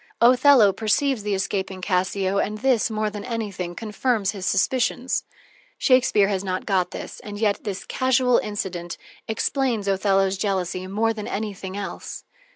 Othello perceives the escaping Cassio, and this, more than anything, confirms his suspicions. Shakespeare has not got this, and yet this casual incident explains Othello's jealousy more than anything else.